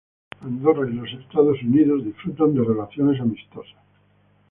Andorra y los Estados Unidos disfrutan de relaciones amistosas.